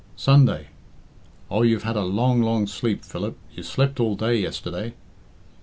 "Sunday. Oh, you've had a long, long sleep, Philip. You slept all day yesterday."